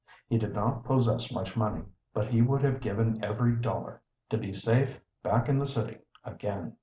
He did not possess much money, but he would have given every dollar to be safe back in the city again.